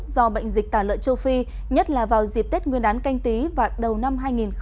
do bệnh dịch tả lợn châu phi nhất là vào dịp tết nguyên đán canh tí và đầu năm hai nghìn hai mươi